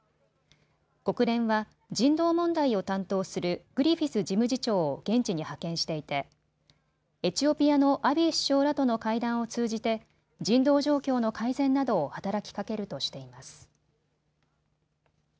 国連は人道問題を担当するグリフィス事務次長を現地に派遣していてエチオピアのアビー首相らとの会談を通じて人道状況の改善などを働きかけるとしています。